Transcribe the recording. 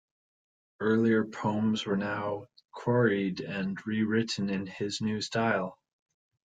Earlier poems were now 'quarried' and rewritten in his new style.